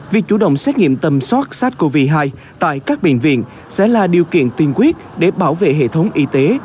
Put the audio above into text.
việc chủ động xét nghiệm tầm soát sars cov hai tại các bệnh viện sẽ là điều kiện tiên quyết để bảo vệ hệ thống y tế